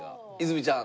泉ちゃん